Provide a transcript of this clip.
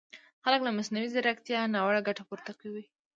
خلک له مصنوعي ځیرکیتا ناوړه ګټه پورته کوي!